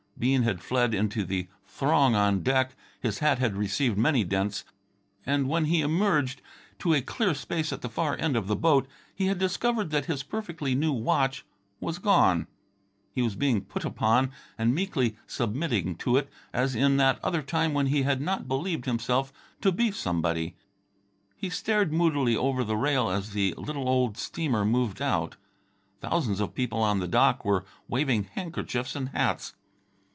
Bean had fled into the throng on deck. His hat had received many dents, and when he emerged to a clear space at the far end of the boat he had discovered that his perfectly new watch was gone. He was being put upon, and meekly submitting to it as in that other time when he had not believed himself to be somebody. He stared moodily over the rail as the little old steamer moved out. Thousands of people on the dock were waving handkerchiefs and hats.